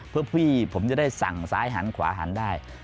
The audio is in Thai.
เพื่อพี่ผมจะได้สั่งซ้ายหันขวาหันได้